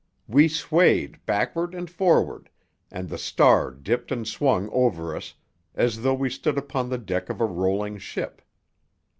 We swayed backward and forward, and the star dipped and swung over us, as though we stood upon the deck of a rolling ship.